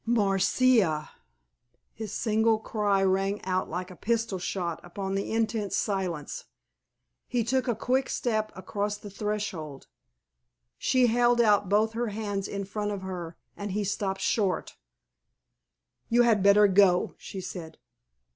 "Marcia!" His single cry rang out like a pistol shot upon the intense silence. He took a quick step across the threshold. She held out both her hands in front of her, and he stopped short. "You had better go," she said.